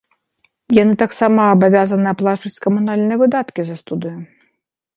Яны таксама абавязаны аплачваць камунальныя выдаткі за студыю.